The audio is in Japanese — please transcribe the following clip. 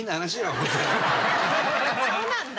そうなんだ。